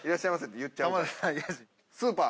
スーパー。